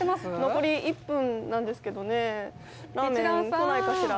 残り１分なんですけどね、ラーメン来ないかしら。